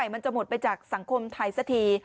มันจะหมดไปจากสังคมไทยสักที